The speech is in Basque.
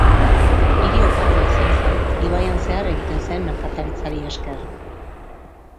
Hiri oparoa izan zen ibaian zehar egiten zen merkataritzari esker.